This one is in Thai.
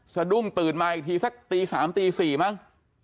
สะดุ้งตื่นมาอีกทีสักตี๓ตี๔มั้ง